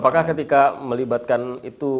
apakah ketika melibatkan itu